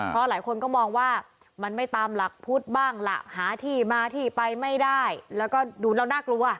เพราะหลายคนก็มองว่ามันไม่ตามหลักพุทธบ้างล่ะหาที่มาที่ไปไม่ได้แล้วก็ดูแล้วน่ากลัว